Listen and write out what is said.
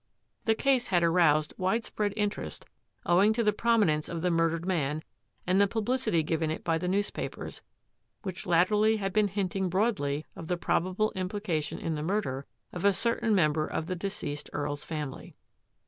The case had aroused widespread interest ow ing to the prominence of the murdered man and the publicity given it by the newspapers, which latterly had been hinting broadly of the probable implication in the murder of a certain member of the deceased EarPs family.